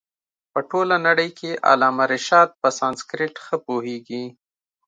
په ټوله نړۍ کښي علامه رشاد په سانسکرېټ ښه پوهيږي.